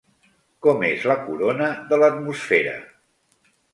Com és la corona de l'atmosfera?